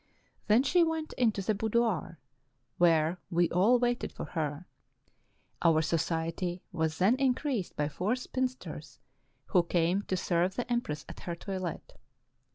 Then she went into the boudoir, where we all waited for her; our society was then increased by four spinsters who came to serve the empress at her toilet.